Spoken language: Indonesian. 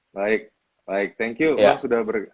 baik baik thank you